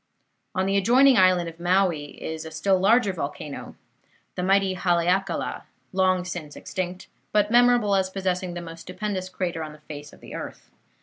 On the adjoining island of Maui is a still larger volcano, the mighty Haleakala, long since extinct, but memorable as possessing the most stupendous crater on the face of the earth.